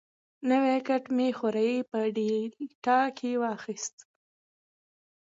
نوی ټکټ مې خوریي په ډیلټا کې واخیست.